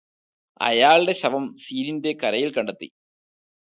അയാളുടെ ശവം സീനിന്റെ കരയില് കണ്ടെത്തി